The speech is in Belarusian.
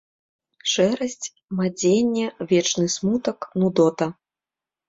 Шэрасць, мадзенне, вечны смутак, нудота.